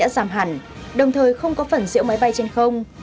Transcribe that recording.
đã giảm hẳn đồng thời không có phẩn diễu máy bay trên không